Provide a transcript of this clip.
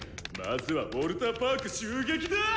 まずはウォルターパーク襲撃だ！